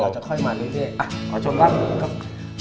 เออขอชมบ้านก่อน